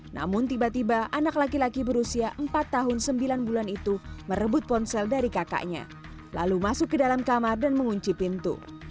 namun tiba tiba anak laki laki berusia empat tahun sembilan bulan itu merebut ponsel dari kakaknya lalu masuk ke dalam kamar dan mengunci pintu